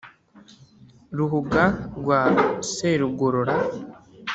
ruhuga rwa serugorora